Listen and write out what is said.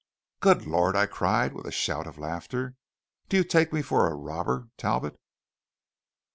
"Good Lord!" I cried with a shout of laughter. "Do you take me for a robber, Talbot?"